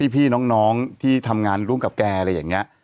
พี่น้องที่ทำงานร่วมกับแกอะไรอย่างนี้